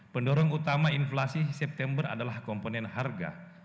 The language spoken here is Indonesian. pendorong utama inflasi september adalah komponen harga